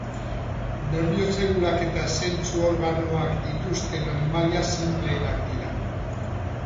Nerbio zelulak eta zentzu organoak dituzten animalia sinpleenak dira.